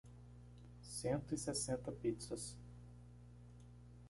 Cento e sessenta pizzas